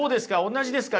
同じですか？